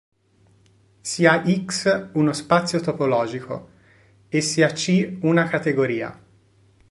Sia "X" uno spazio topologico, e sia C una categoria.